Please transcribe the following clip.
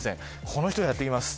この人がやって来ます。